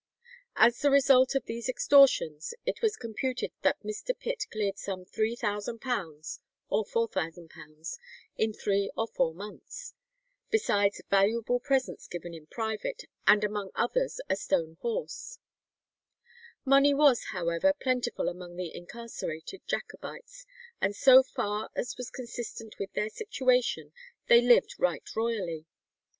As the result of these extortions it was computed that Mr. Pitt cleared some £3,000 or £4,000 in three or four months, besides "valuable presents given in private, and among others a stone horse." Money was, however, plentiful among the incarcerated Jacobites, and so far as was consistent with their situation, they lived right royally.